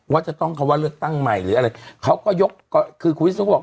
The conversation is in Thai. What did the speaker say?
ว่าจะต้องคำว่าเลือกตั้งใหม่หรืออะไรเขาก็ยกก็คือคุณวิศนุก็บอก